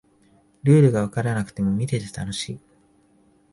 ルールがわからなくても見てて楽しい